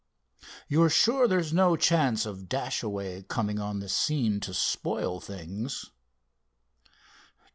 You're sure there's no chance of Dashaway coming on the scene to spoil things?"